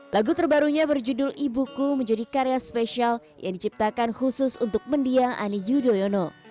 lagu terbarunya berjudul ibuku menjadi karya spesial yang diciptakan khusus untuk mendiang ani yudhoyono